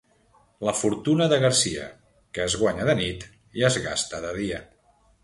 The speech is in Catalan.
La fortuna de Garcia, que es guanya de nit i es gasta de dia.